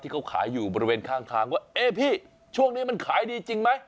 เขาขายอยู่บริเวณข้างทางว่าเอ๊ะพี่ช่วงนี้มันขายดีจริงไหม